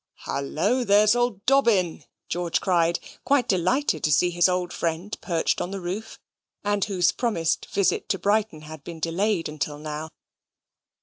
"Hullo! there's old Dobbin," George cried, quite delighted to see his old friend perched on the roof; and whose promised visit to Brighton had been delayed until now.